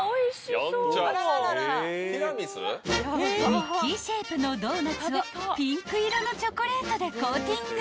［ミッキーシェイプのドーナツをピンク色のチョコレートでコーティング］